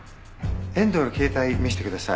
遠藤の携帯見せてください。